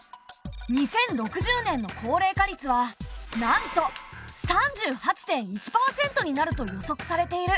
２０６０年の高齢化率はなんと３８．１％になると予測されている。